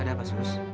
ada apa sus